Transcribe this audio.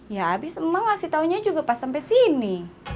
ya abis mak masih taunya juga pas sampai sini